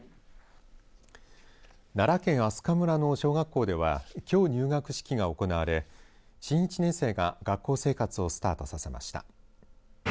奈良県明日香村の小学校ではきょう入学式が行われ新１年生が学校生活をスタートさせました。